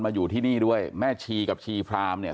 อยู่ที่นี่ด้วยแม่ชีกับชีพรามเนี่ย